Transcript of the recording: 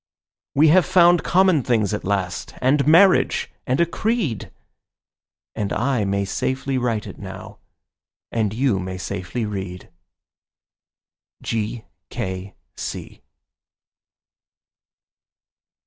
We have found common things at last and marriage and a creed, And I may safely write it now, and you may safely read. G. K. C.